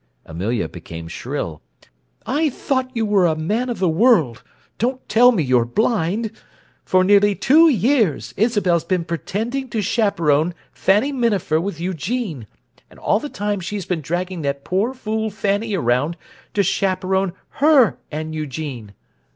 Amelia became shrill. "I thought you were a man of the world: don't tell me you're blind! For nearly two years Isabel's been pretending to chaperone Fanny Minafer with Eugene, and all the time she's been dragging that poor fool Fanny around to chaperone her and Eugene!